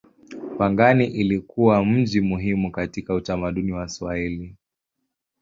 Pangani ilikuwa mji muhimu katika utamaduni wa Waswahili.